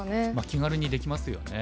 気軽にできますよね。